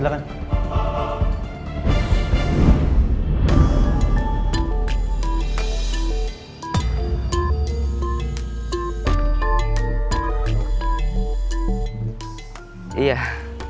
kalian mau lah